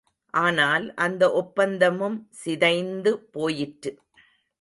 ஆனால், அந்த ஒப்பந்தமும் சிதைந்து போயிற்று.